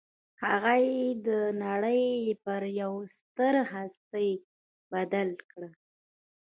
هغه يې د نړۍ پر يوه ستره هستي بدل کړ.